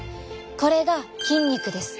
これが筋肉です。